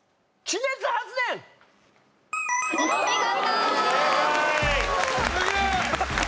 すげえ！